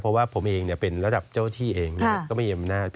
เพราะว่าผมเองเป็นระดับเจ้าที่เองก็ไม่มีอำนาจ